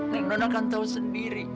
neng nona kan tau sendiri